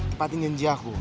kepatin janji aku